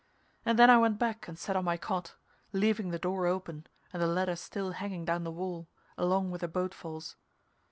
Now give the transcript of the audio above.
And then I went back and sat on my cot, leaving the door open and the ladder still hanging down the wall, along with the boat falls.